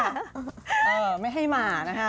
เออไม่ให้มานะคะ